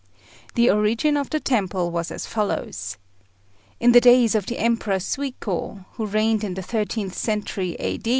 The origin of the temple was as follows: In the days of the Emperor Suiko, who reigned in the thirteenth century A.